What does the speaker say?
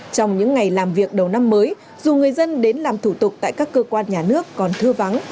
trong những ngày làm việc đầu năm mới dù người dân đến làm thủ tục tại các cơ quan nhà nước còn thư vắng